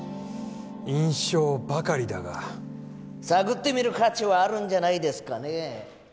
印象ばかりだが探ってみる価値はあるんじゃないですかね